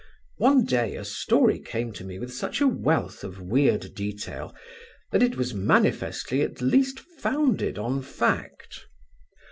One day a story came to me with such wealth of weird detail that it was manifestly at least founded on fact.